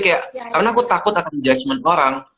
kayak karena aku takut akan di judgement orang